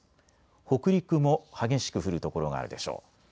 北陸も激しく降る所があるでしょう。